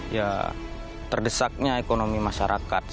ya terdesaknya ekonomi masyarakat